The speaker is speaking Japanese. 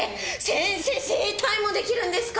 先生整体も出来るんですか。